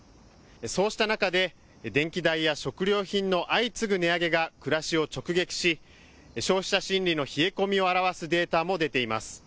そうした中で電気代や食料品の相次ぐ値上げが暮らしを直撃し、消費者心理の冷え込みを表すデータも出ています。